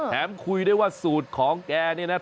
แถมคุยได้ว่าสูตรของแกนี่นะครับ